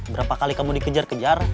berapa kali kamu dikejar kejar